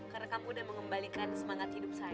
karena kamu udah mengembalikan semangat hidup saya